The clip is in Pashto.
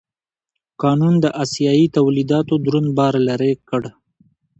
قانون د اسیايي تولیداتو دروند بار لرې کړ.